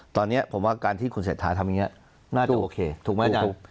ตอนเนี้ยผมว่าการที่คุณเศรษฐาทำอย่างเงี้ยน่าจะโอเคถูกมั้ยอาจารย์